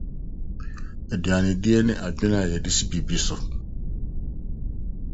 Aduandi ne Adwene a Wɔde Si Biribi So